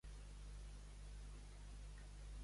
D'on va emergir el sobrenom de Leopolda Olda?